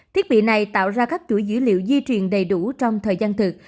thiết bị này tạo ra các chuỗi dữ liệu di truyền đầy đủ trong thời gian thực